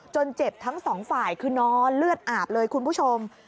เจ็บทั้งสองฝ่ายคือนอนเลือดอาบเลยคุณผู้ชม